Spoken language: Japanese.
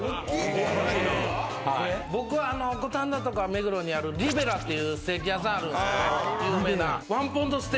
僕は五反田とか目黒にあるリベラっていうステーキ屋さんあるんですけど有名な。